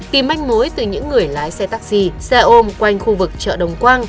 tìm manh mối từ những người lái xe taxi xe ôm quanh khu vực chợ đồng quang